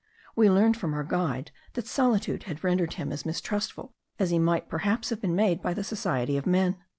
We learned from our guide, that solitude had rendered him as mistrustful as he might perhaps have been made by the society of men.